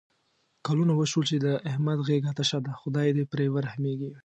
کلونه وشول چې د احمد غېږه تشه ده. خدای دې پرې ورحمېږي.